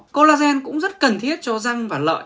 collagen cũng rất cần thiết cho răng và lợi